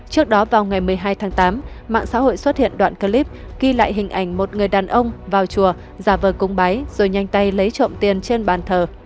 trước đó vào ngày một mươi hai tháng tám mạng xã hội xuất hiện đoạn clip ghi lại hình ảnh một người đàn ông vào chùa giả vời cung báy rồi nhanh tay lấy trộm tiền trên bàn thờ